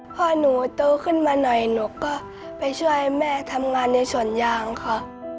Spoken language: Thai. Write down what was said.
พอหนูโตขึ้นมาหน่อยหนูก็ไปช่วยแม่ทำงานในสวนยางค่ะ